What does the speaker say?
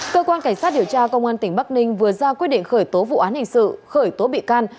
cơ quan cảnh sát điều tra công an tỉnh bắc ninh vừa ra quyết định khởi tố vụ án hình sự khởi tố bị can